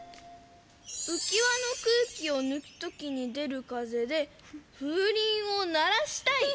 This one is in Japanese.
「浮き輪の空気を抜くときに出る風で風鈴を鳴らしたい」。